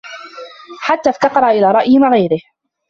حَتَّى افْتَقَرَ إلَى رَأْيِ غَيْرِهِ